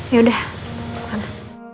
yaudah ke sana